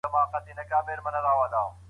که په دبلي کې بند خواړه وخوړل سي.